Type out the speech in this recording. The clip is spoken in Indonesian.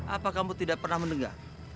apa kamu tidak pernah mendengar